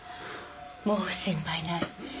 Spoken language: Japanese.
もう心配ない。